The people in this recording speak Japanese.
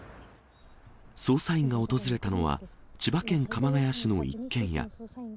捜査員が訪れたのは、千葉県鎌ケ谷市の一軒家。